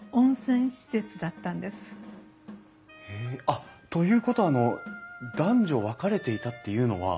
あっということはあの男女分かれていたっていうのは。